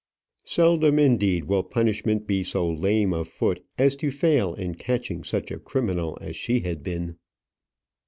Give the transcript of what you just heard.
Seldom, indeed, will punishment be so lame of foot as to fail in catching such a criminal as she had been.